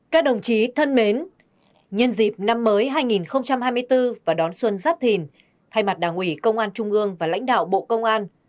các đồng chí thân mến nhân dịp năm mới hai nghìn hai mươi bốn và đón xuân giáp thìn thay mặt đảng ủy công an trung ương và lãnh đạo bộ công an